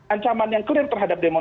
ancaman yang kering terhadap